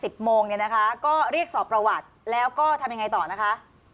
โมงเนี่ยนะคะก็เรียกสอบประวัติแล้วก็ทำยังไงต่อนะคะ